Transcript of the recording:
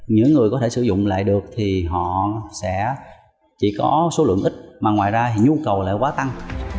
những người có thể sử dụng lại được thì họ sẽ chỉ có số lượng ít mà ngoài ra thì nhu cầu lại quá tăng